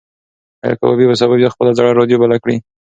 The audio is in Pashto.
ایا کبابي به سبا بیا خپله زړه راډیو بله کړي؟